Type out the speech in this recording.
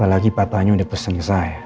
apalagi papahnya udah pesen ke saya